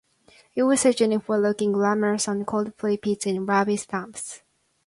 It was such an effort looking glamorous on cold clay-pits and rubbish dumps.